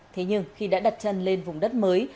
thế nhưng khi đã đặt chân lên vùng đất mới